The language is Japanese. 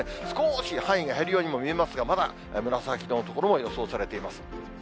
少し範囲が減るようにも見えますが、まだ紫色の所も予想されています。